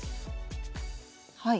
はい。